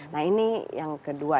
nah ini yang kedua